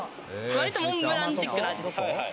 割とモンブランチックな味でした。